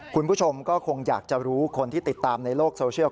คุณผู้ชมก็คงอยากจะรู้คนที่ติดตามในโลกโซเชียล